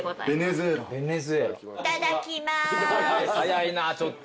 早いなちょっと。